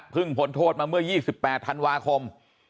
พ้นโทษมาเมื่อ๒๘ธันวาคม